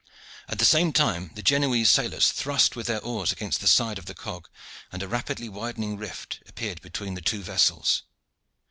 At the same time the Genoese sailors thrust with their oars against the side of the cog, and a rapidly widening rift appeared between the two vessels.